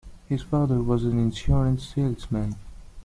His father was an insurance salesman.